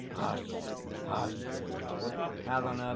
"Hush! hush!" HELENA.